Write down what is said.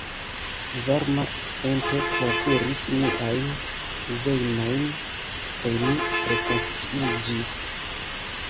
Varma sento trakuris miajn vejnojn kaj mi rekonsciiĝis.